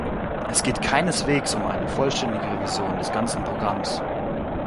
Es geht keineswegs um eine vollständige Revision des ganzen Programms!